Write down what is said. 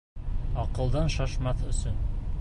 Аҡылдан шашмаҫ өсөн.